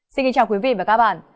xin kính chào quý vị và các bạn